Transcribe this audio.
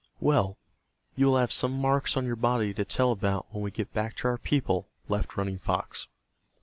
"Well, you will have some marks on your body to tell about when we get back to our people," laughed Running Fox.